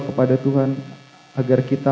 kepada tuhan agar kita